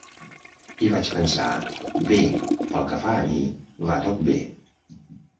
I vaig pensar, "Bé, pel que fa a mi va tot bé.